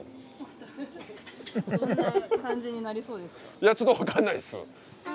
いやちょっと分かんないっす。